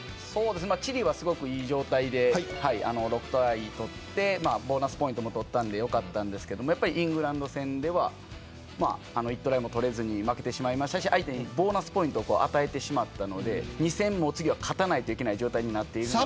チリは、すごくいい状態で６トライを取ってボーナスポイントも取ったんで良かったんですけどイングランド戦では１トライも取れずに負けてしまって相手にボーナスポイントを与えてしまったんで次は２戦勝たないといけない状況です。